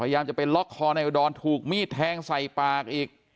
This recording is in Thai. ข้าไปล็อกคอในอุดรนถูกมีดแทงใส่ปากอีก